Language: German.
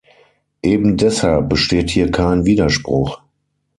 Eben deshalb besteht hier kein Widerspruch.